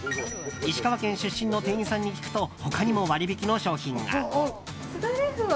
石川県出身の店員さんに聞くと他にも割引の商品が。